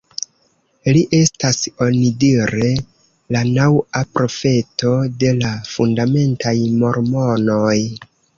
Li estas onidire la naŭa profeto de la fundamentaj mormonoj.